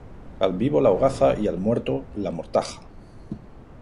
Al vivo la hogaza y al muerto, la mortaja.